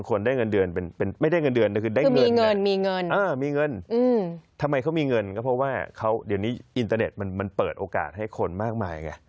ก็เพราะว่าเขาเดี๋ยวนี้อินเตอร์เน็ตมันเปิดโอกาสให้คนมากมายไง